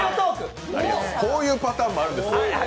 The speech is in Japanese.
こういうパターンもあるんですよ。